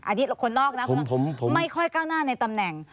อันนี้คนนอกนะไม่ค่อยก้าวหน้าในตำแหน่ง